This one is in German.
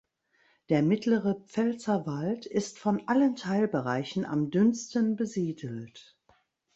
Der mittlere Pfälzerwald ist von allen Teilbereichen am dünnsten besiedelt.